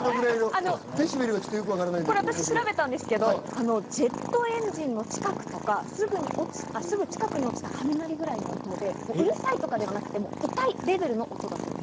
私、調べたんですけど、ジェットエンジンの近くとか、すぐ近くに落ちた雷ぐらいの音で、うるさいとかではなく、痛いレベルの音だそうです。